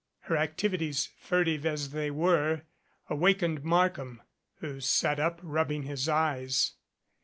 Her activities, furtive as they were, awakened Mark ham, who sat up, rubbing his eyes.